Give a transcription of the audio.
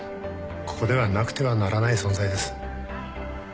ここではなくてはならない存在です。